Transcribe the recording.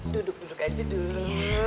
duduk duduk aja dulu